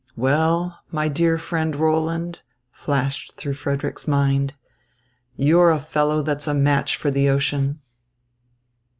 "Well, my dear friend Roland," flashed through Frederick's mind, "you're a fellow that's a match for the ocean."